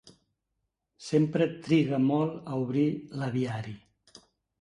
Sempre triga molt a obrir l'aviari.